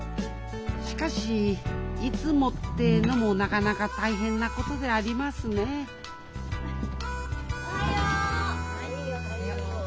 しかし「いつも」ってえのもなかなか大変なことでありますねえおはよう。